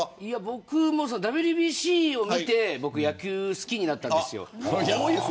僕はＷＢＣを見て野球を好きになったんです。